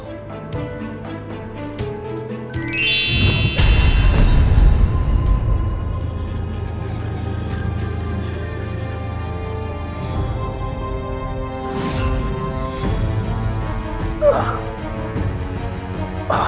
kau masih saja tidak berubah